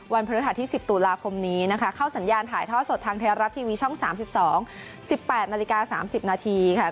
พฤหัสที่๑๐ตุลาคมนี้นะคะเข้าสัญญาณถ่ายท่อสดทางไทยรัฐทีวีช่อง๓๒๑๘นาฬิกา๓๐นาทีค่ะ